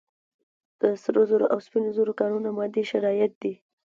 د سرو زرو او سپینو زرو کانونه مادي شرایط دي.